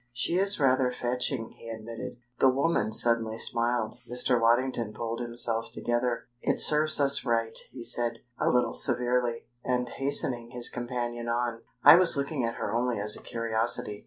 "She is rather fetching," he admitted. The woman suddenly smiled. Mr. Waddington pulled himself together. "It serves us right," he said, a little severely, and hastening his companion on. "I was looking at her only as a curiosity."